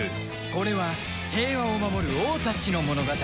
これは平和を守る王たちの物語